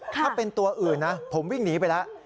ถ้าเป็นตัวอื่นนะผมวิ่งหนีไปแล้ว